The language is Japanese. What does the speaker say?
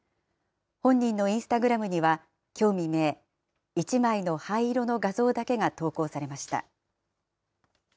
本人のインスタグラムにはきょう未明、１枚の灰色の画像だけが投稿されました。